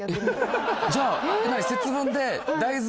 じゃあ何？